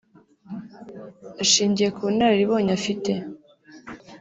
Ashingiye ku bunararibonye afite